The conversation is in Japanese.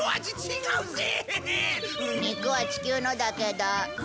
肉は地球のだけど。